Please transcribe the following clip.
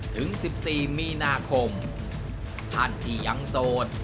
ถึง๑๔มีนาคมท่านที่ยังโสด